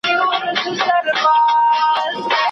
زما له موج سره یاري ده له توپان سره همزولی